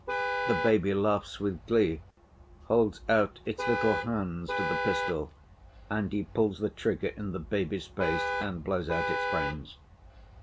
The baby laughs with glee, holds out its little hands to the pistol, and he pulls the trigger in the baby's face and blows out its brains.